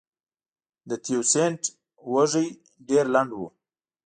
د تیوسینټ وږی ډېر لنډ و.